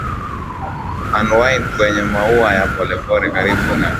unwind kwenye mashua ya polepole karibu na